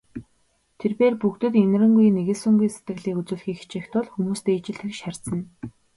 Тэр бээр бүгдэд энэрэнгүй, нигүүлсэнгүй сэтгэлийг үзүүлэхийг хичээх тул хүмүүстэй ижил тэгш харьцана.